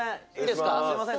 すいません。